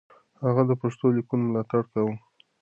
هغه د پښتو ليکنو ملاتړ کاوه.